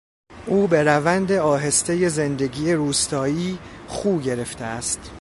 او به روند آهستهی زندگی روستایی خو گرفته است.